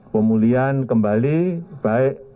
pemulihan kembali baik